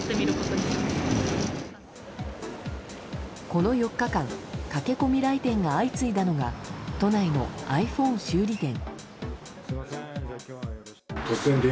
この４日間駆け込み来店が相次いだのが都内のｉＰｈｏｎｅ修理店。